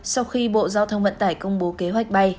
sau khi bộ giao thông vận tải công bố kế hoạch bay